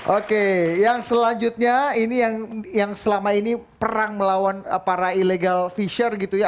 oke yang selanjutnya ini yang selama ini perang melawan para illegal fisher gitu ya